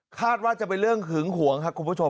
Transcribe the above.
คาดว่าจะเป็นเรื่องหึงหวงครับคุณผู้ชม